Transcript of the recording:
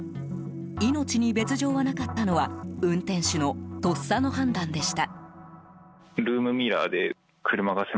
命に別条はなかったのは運転手のとっさの判断でした。